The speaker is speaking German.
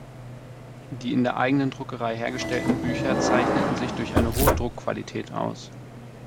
Die in der eigenen Druckerei hergestellten Bücher zeichneten sich durch eine hohe Druckqualität aus.